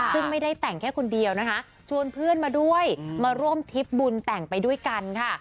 ซึ่งไม่ได้แต่งแค่คนเดียวนะคะชวนเพื่อนมาด้วยมาร่วมทิพย์บุญแต่งไปด้วยกันค่ะ